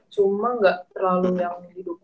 cuman gak terlalu yang